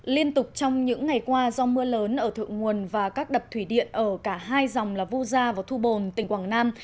liên tục trong những ngày qua do mưa lớn ở thượng nguồn và các đập thủy điện ở cả hai dòng là vu gia và thu bồn tỉnh quảng nam